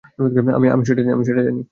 আমি সেটা জানি।